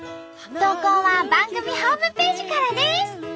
投稿は番組ホームページからです。